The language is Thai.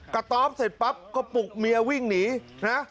ต๊อบเสร็จปั๊บก็ปลุกเมียวิ่งหนีนะ